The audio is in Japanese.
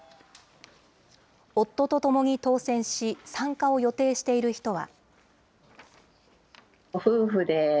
夫と共に当せんし、参加を予定している人は。